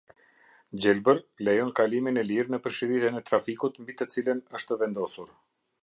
Gjelbër lejon kalimin e lirë nëpër shiritin e trafikut mbi të cilën është vendosur.